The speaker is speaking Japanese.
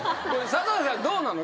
里崎さんどうなの？